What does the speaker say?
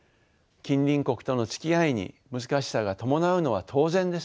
近隣国とのつきあいに難しさが伴うのは当然です。